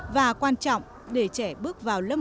và quan trọng để trẻ bước vào lớp một